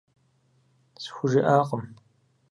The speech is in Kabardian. СхужеӀакъым.